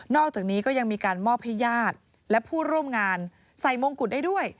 อกจากนี้ก็ยังมีการมอบให้ญาติและผู้ร่วมงานใส่มงกุฎได้ด้วย